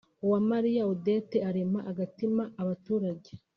Uwamariya Odette arema agatima abaturage